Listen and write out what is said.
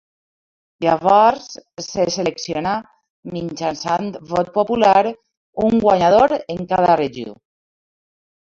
Llavors se seleccionà, mitjançant vot popular, un guanyador en cada regió.